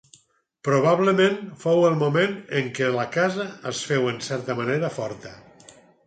Probablement fou el moment en què la casa es féu en certa manera forta.